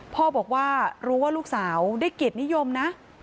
พ่อบอกว่ารู้ว่าลูกสาวได้เกียรตินิยมนะ